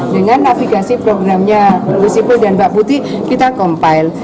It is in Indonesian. dengan navigasi programnya gusipul dan mbak putih kita compile